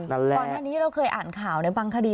ก่อนหน้านี้เราเคยอ่านข่าวในบางคดี